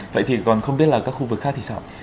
vậy thì còn không biết là các khu vực khác thì sao ạ